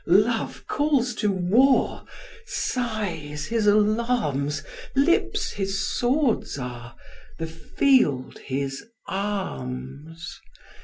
Love calls to war; Sighs his alarms, Lips his swords are, The field his arms.